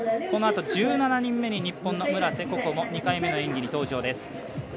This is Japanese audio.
このあと１７人目に日本の村瀬心椛２回目の演技に登場です。